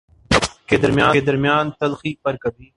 کے درمیان تلخی پر کبھی